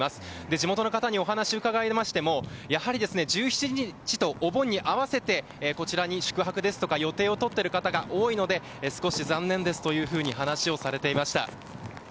地元の方にお話を伺ってもやはり１７日とお盆に合わせてこちらに宿泊ですとか予定をとっている方が多いので少し残念ですと話されていました。